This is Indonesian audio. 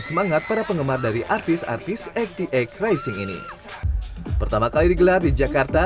semangat para penggemar dari artis artis ata racing ini pertama kali digelar di jakarta